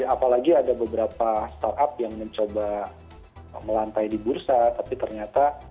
apalagi ada beberapa startup yang mencoba melantai di bursa tapi ternyata